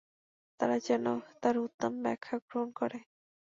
তারা যেন তার উত্তম ব্যাখ্যা গ্রহণ করে।